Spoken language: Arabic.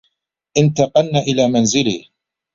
انتقلن إلى منزلي.